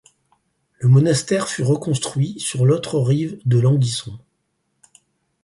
Le monastère fut reconstruit sur l'autre rive de l'Anguison.